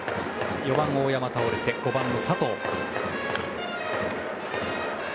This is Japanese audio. ４番、大山が倒れて５番の佐藤。